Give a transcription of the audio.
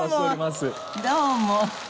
どうも。